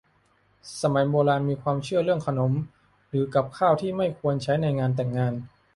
สมัยโบราณมีความเชื่อเรื่องขนมหรือกับข้าวที่ไม่ควรใช้ในงานแต่งงาน